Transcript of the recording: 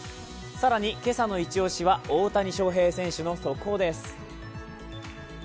更に今朝のイチ押しは大谷翔平選手の速報です。